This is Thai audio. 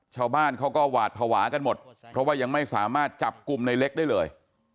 ชาวบ้านเขาก็หวาดภาวะกันหมดเพราะว่ายังไม่สามารถจับกลุ่มในเล็กได้เลย